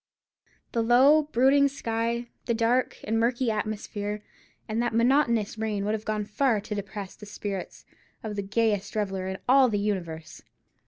The low, brooding sky, the dark and murky atmosphere, and that monotonous rain would have gone far to depress the spirits of the gayest reveller in all the universe.